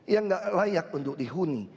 yang tidak layak untuk dihuni